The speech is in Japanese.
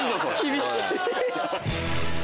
厳しい。